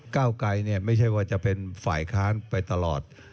เก้าไกรไม่ใช่ว่าจะเป็นฝ่ายค้านไปตลอด